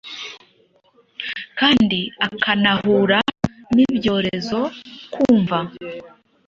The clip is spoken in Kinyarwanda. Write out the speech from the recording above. Kandi akanahura nibyorezo-kumva.